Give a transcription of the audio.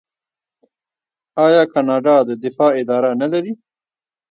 آیا کاناډا د دفاع اداره نلري؟